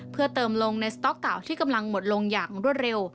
เพื่อเติมลงในสต๊อกเก่าที่กำลังหมดลงอย่างรวดเร็ว